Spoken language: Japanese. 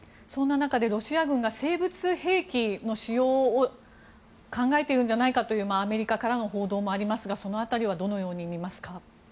そんな中でロシア軍が生物化学兵器の使用を考えているんじゃないかというアメリカからの報道もありますがその辺りはどのように見ていますか？